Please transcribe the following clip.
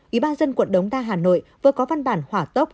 ủy ban dân quận đống đa hà nội vừa có văn bản hỏa tốc